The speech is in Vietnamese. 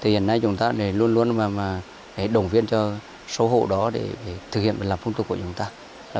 hiện nay chúng ta luôn luôn đồng viên cho số hộ đó để thực hiện và làm phương tục của chúng ta